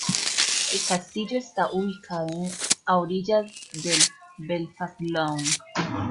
El castillo está ubicado a orillas del Belfast Lough.